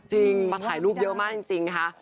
จริงมาถ่ายรูปเยอะมากจริงค่ะ